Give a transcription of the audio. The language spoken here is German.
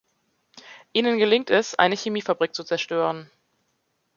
Ihnen gelingt es, eine Chemiefabrik zu zerstören.